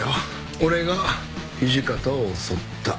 俺が土方を襲った。